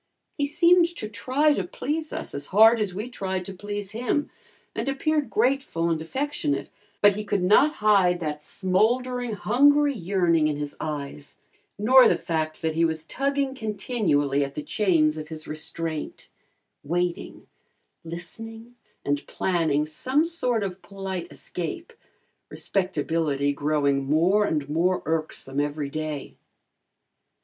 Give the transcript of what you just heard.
He seemed to try to please us as hard as we tried to please him, and appeared grateful and affectionate, but he could not hide that smoldering, hungry yearning in his eyes nor the fact that he was tugging continually at the chains of his restraint, waiting, listening and planning some sort of polite escape, respectability growing more and more irksome every day.